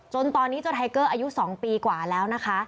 ตอนนี้เจ้าไทเกอร์อายุ๒ปีกว่าแล้วนะคะ